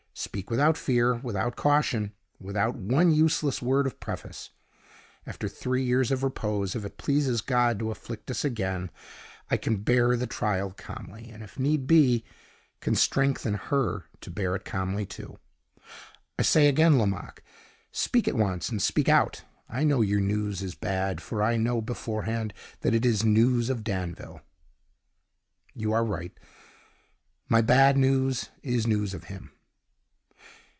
Speak without fear, without caution, without one useless word of preface. After three years of repose, if it pleases God to afflict us again, I can bear the trial calmly; and, if need be, can strengthen her to bear it calmly, too. I say again, Lomaque, speak at once, and speak out! I know your news is bad, for I know beforehand that it is news of Danville." "You are right; my bad news is news of him."